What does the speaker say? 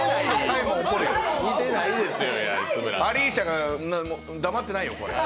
アリーシャが黙ってないよ。